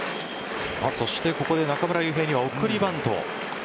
そしてここで中村悠平には送りバント。